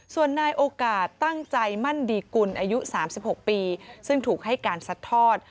ส่วนนายโอกาสตั้งใจมั่นดีกุลอายุ๓๖ปีซึ่งถูกให้การซัดทอด